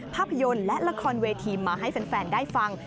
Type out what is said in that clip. ภาพยนตร์และละครเวทีมาให้แฟนได้ฟัง